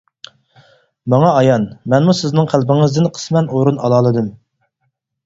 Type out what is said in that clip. ماڭا ئايان، مەنمۇ سىزنىڭ قەلبىڭىزدىن قىسمەن ئورۇن ئالالىدىم.